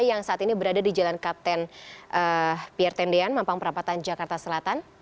yang saat ini berada di jalan kapten pier tendean mampang perapatan jakarta selatan